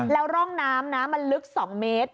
แล้วร่องน้ำนะมันลึก๒เมตร